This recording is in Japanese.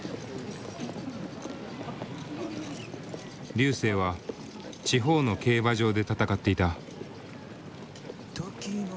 瑠星は地方の競馬場で戦っていた。